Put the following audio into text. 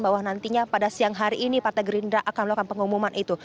bahwa nantinya pada siang hari ini partai gerindra akan melakukan pengumuman itu